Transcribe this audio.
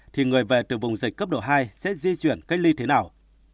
thì người về từ vùng dịch cấp độ hai sẽ di chuyển cách ly thế nào